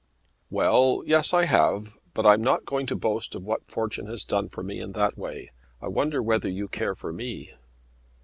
"Well; yes, I have; but I am not going to boast of what fortune has done for me in that way. I wonder whether you care for me?"